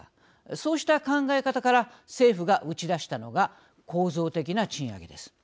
そうした考え方から政府が打ち出したのが構造的な賃上げです。